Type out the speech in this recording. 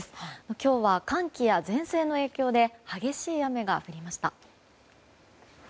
今日は寒気や前線の影響で激しい雨が降りました。